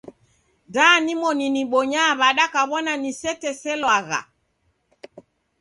Da nimoni nibonyaa w'ada kaw'ona niseteselwagha?